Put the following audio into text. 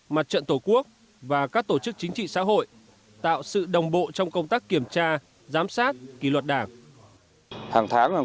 mặt trận tổ quốc và các tổ chức chính trị xã hội tạo sự đồng bộ trong công tác kiểm tra giám sát kỳ luật đảng